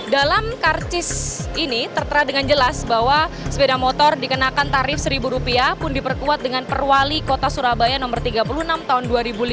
dalam karcis ini tertera dengan jelas bahwa sepeda motor dikenakan tarif rp satu pun diperkuat dengan perwali kota surabaya nomor tiga puluh enam tahun dua ribu lima belas